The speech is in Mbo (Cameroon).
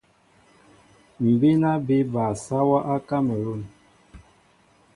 M̀ bíná mbí bal sáwā á Kámalûn.